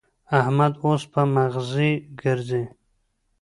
احمد اوس په مغزي ګرزي.